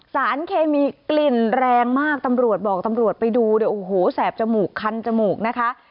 สารเคมีกลิ่นแรงมากตำรวจบอกตำรวจไปดูเนี่ยโอ้โหแสบจมูกคันจมูกนะคะ